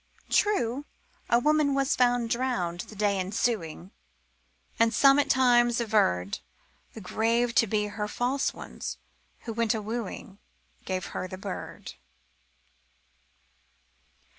True, a woman was found drowned the day ensuing, And some at times averred The grave to be her false one's, who when wooing Gave her the bird.